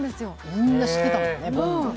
みんな知ってたもんね、ぼんご。